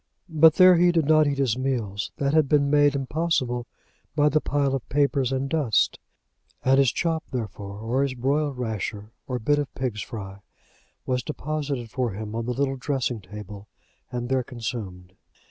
But there he did not eat his meals; that had been made impossible by the pile of papers and dust; and his chop, therefore, or his broiled rasher, or bit of pig's fry was deposited for him on the little dressing table, and there consumed.